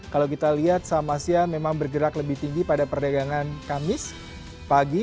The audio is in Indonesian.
kalau kita lihat saham asia memang bergerak lebih tinggi pada perdagangan kamis pagi